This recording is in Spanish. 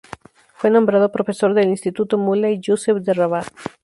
Fue nombrado profesor del Instituto Mulay Yusef de Rabat.